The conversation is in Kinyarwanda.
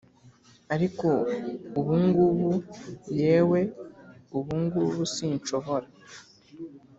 ariko ubungubu, yewe ubungubu sinshobora